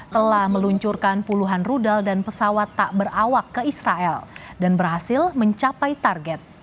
telah meluncurkan puluhan rudal dan pesawat tak berawak ke israel dan berhasil mencapai target